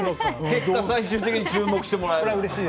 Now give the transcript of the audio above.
結果、最終的に注目してもらえる。